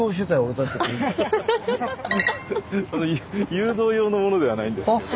誘導用のものではないんですけれど。